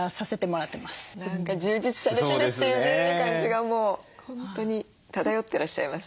何か充実されてるっていうね感じがもう本当に漂ってらっしゃいます。